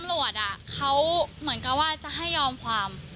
ตำรวจเขาเหมือนกับว่าจะให้ยอมความ